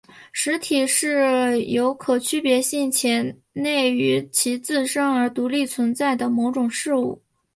实体是有可区别性且内于其自身而独立存在的某种事物。